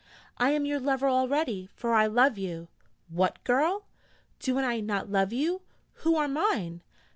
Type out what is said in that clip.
'I am your lover already: for I love you.' 'What, girl?' 'Do I not love you, who are mine?'